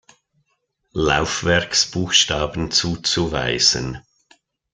Laufwerksbuchstaben zuzuweisen.